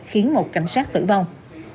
khiến một cảnh sát tử vong